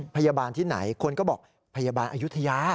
พยาบาลที่ไหนคนก็บอกพยาบาลอายุทยา